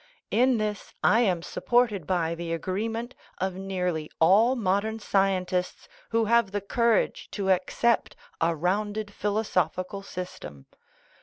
In this I am supported by the agreement of nearly all modern scientists who have the courage to accept a rounded philosophical system.